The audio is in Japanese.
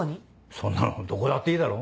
そんなのどこだっていいだろ？